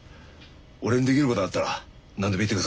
俺にできることがあったら何でも言ってください。